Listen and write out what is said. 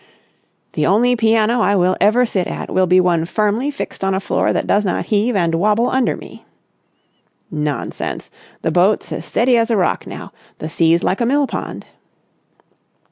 "The only piano I will ever sit at will be one firmly fixed on a floor that does not heave and wobble under me." "Nonsense! The boat's as steady as a rock now. The sea's like a mill pond."